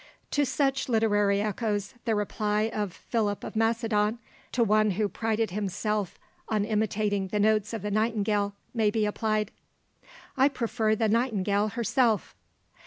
To such literary echoes, the reply of Philip of Macedon to one who prided himself on imitating the notes of the nightingale may be applied: "I prefer the nightingale herself!"